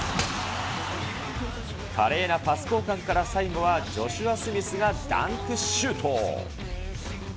華麗なパス交換から最後はジョシュア・スミスがダンクシュート。